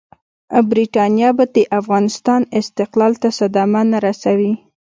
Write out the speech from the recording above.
برټانیه به د افغانستان استقلال ته صدمه نه رسوي.